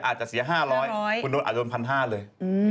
อาจจะเสีย๕๐๐คุณโดนอาจโดน๑๕๐๐เลย